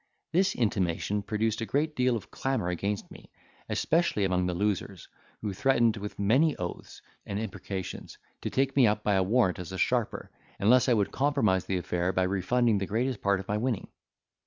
This intimation produced a great deal of clamour against me, especially among the losers, who threatened with many oaths and imprecations, to take me up by a warrant as a sharper, unless I would compromise the affair by refunding the greatest part of my winning.